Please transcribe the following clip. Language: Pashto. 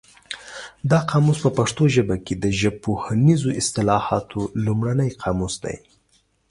دا قاموس په پښتو ژبه کې د ژبپوهنیزو اصطلاحاتو لومړنی قاموس دی.